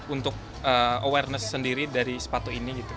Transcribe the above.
untuk awareness sendiri dari sepatu ini gitu